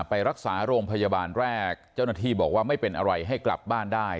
ไปรักษาโรงพยาบาลแรกเจ้าหน้าที่บอกว่าไม่เป็นอะไรให้กลับบ้านได้